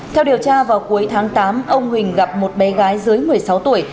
theo điều tra vào cuối tháng tám ông huỳnh gặp một bé gái dưới một mươi sáu tuổi